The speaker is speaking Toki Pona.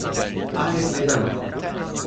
ali li namako!